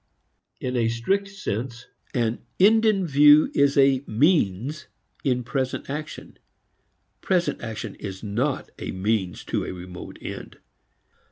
In a strict sense an end in view is a means in present action; present action is not a means to a remote end.